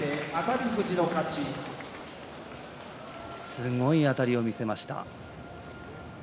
すごい、あたりを見せました。